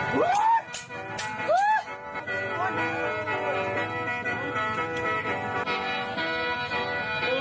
โอ้ยขึ้นบังดูลง